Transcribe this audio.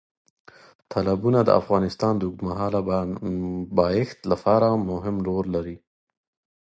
تالابونه د افغانستان د اوږدمهاله پایښت لپاره مهم رول لري.